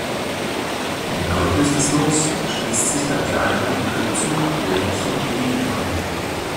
Nördlich des Luchs schließt sich der kleinere Höhenzug Ländchen Glien an.